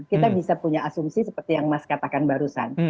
kita bisa punya asumsi seperti yang mas katakan barusan